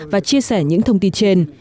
và chia sẻ những thông tin trên